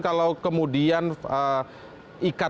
kemudian iktp tadi dipermasalahkan